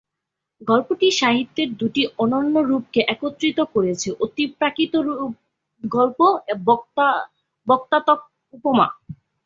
গল্পটি সাহিত্যের দুটি অনন্য রূপকে একত্রিত করেছে: অতিপ্রাকৃত গল্প এবং ব্যঙ্গাত্মক উপমা।